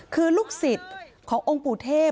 คือลูกศิษย์ขององค์ปู่เทพ